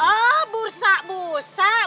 oh bursa bursa bursa efek